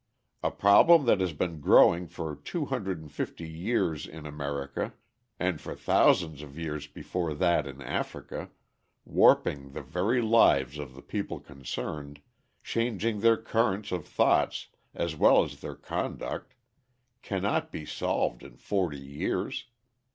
A problem that has been growing for two hundred and fifty years in America, and for thousands of years before that in Africa, warping the very lives of the people concerned, changing their currents of thought as well as their conduct, cannot be solved in forty years.